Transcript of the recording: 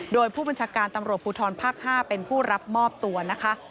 โดยผู้บัญชาการตำรวจภูทรภาค๕เป็นผู้รับมอบตัวนะคะ